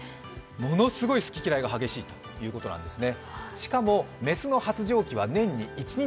ものすごい好き嫌いが激しいということなんですね。